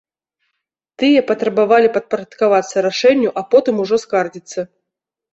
Тыя патрабавалі падпарадкавацца рашэнню, а потым ужо скардзіцца.